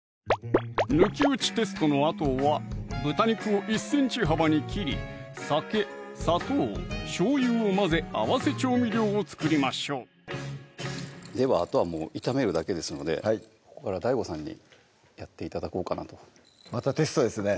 抜き打ちテストのあとは豚肉を１ｃｍ幅に切り酒・砂糖・しょうゆを混ぜ合わせ調味料を作りましょうではあとはもう炒めるだけですのでここからＤＡＩＧＯさんにやって頂こうかなとまたテストですね